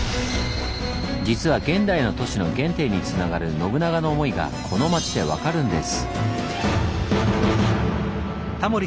実は現代の都市の原点につながる信長の思いがこの町で分かるんです。